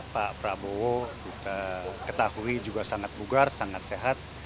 pak prabowo kita ketahui juga sangat bugar sangat sehat